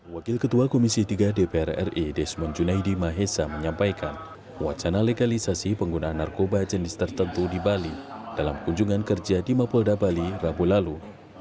wakil ketua komisi tiga dpr ri desmond junaidi mahesa menyampaikan wacana legalisasi penggunaan narkoba jenis tertentu di bali dalam kunjungan kerja di mapolda bali rabu lalu